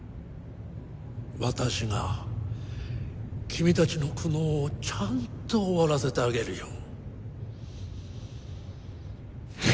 私が君達の苦悩をちゃんと終わらせてあげるよ